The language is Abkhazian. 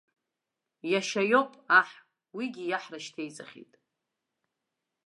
Иашьа иоуп аҳ, уигьы иаҳра шьҭеиҵахьеит.